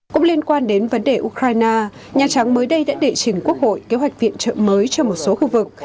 cũng liên quan đến vấn đề ukraine nhà trắng mới đây đã đệ trình quốc hội kế hoạch viện trợ mới cho một số khu vực